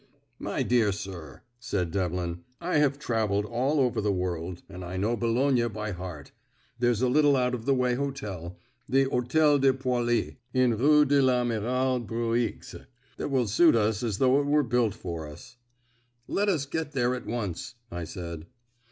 "My dear sir," said Devlin, "I have travelled all over the world, and I know Boulogne by heart. There's a little out of the way hotel, the Hôtel de Poilly, in Rue de l'Amiral Bruix, that will suit us as though it were built for us." "Let us get there at once," I said.